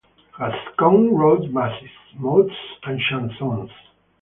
Gascongne wrote masses, motets and chansons.